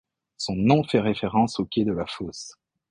Son nom fait référence au quai de la Fosse.